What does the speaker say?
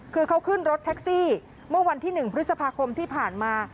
คือเขาขึ้นรถแท็กซี่เมื่อวันที่๑พฤษภาคมที่ผ่านมา